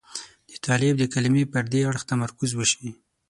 د طالب د کلمې پر دې اړخ تمرکز وشي.